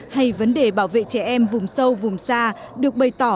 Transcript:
hay vấn đề bảo vệ trẻ em vùng sâu vùng xa được bày tỏ